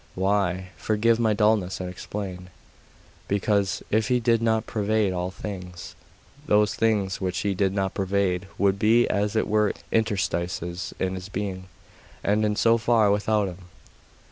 'Why? Forgive my dulness, and explain.' 'Because, if He did not pervade all things, those things which He did not pervade would be as it were interstices in His being, and in so far, without Him.